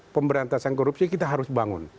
pemberantasan korupsi kita harus bangun